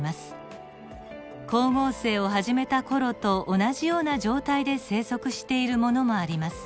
光合成を始めた頃と同じような状態で生息しているものもあります。